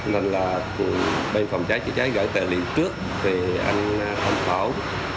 nên là bên phòng trái trữ trái gửi tài liệu trước về anh tham khảo